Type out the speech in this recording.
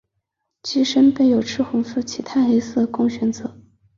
机身备有赤红色及碳黑色供选择。